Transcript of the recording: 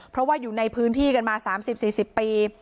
เพราะว่าอยู่ในพื้นที่กันมา๓๐๔๐ปี